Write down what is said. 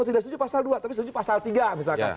tidak setuju pasal dua tapi setuju pasal tiga misalkan